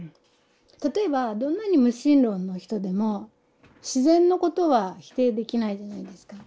例えばどんなに無神論の人でも自然のことは否定できないじゃないですか。